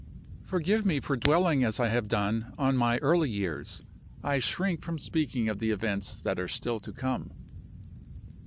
"Forgive me for dwelling as I have done on my early years. I shrink from speaking of the events that are still to come.